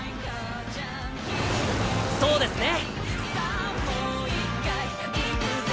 そうですね。